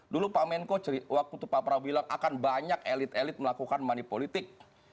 dulu pak menko waktu itu pak prabowo bilang akan banyak elit elit melakukan money politik